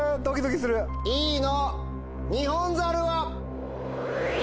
Ｅの「ニホンザル」は？